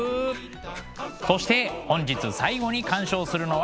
そして本日最後に鑑賞するのはこちらの作品。